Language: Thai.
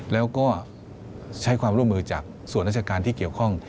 แล้วก็ใช้ความร่วมมือจากส่วนราชการที่เกี่ยวข้อง